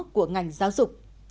của ngành giáo dục